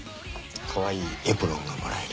かわいいエプロンがもらえる。